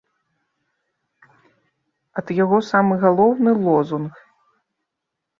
От яго самы галоўны лозунг.